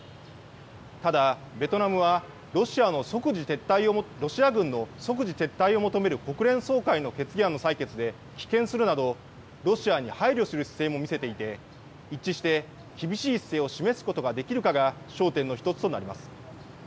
ただベトナムはロシア軍の即時撤退を求める国連総会の決議案の採決で棄権するなどロシアに配慮する姿勢も見せていて、一致して厳しい姿勢を示すことができるかが焦点の１つとなります。